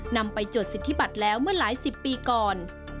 นำไปจดสิทธิบัตรแล้วเมื่อหลายสิบปีก่อน